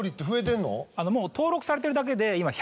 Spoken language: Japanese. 登録されてるだけで今。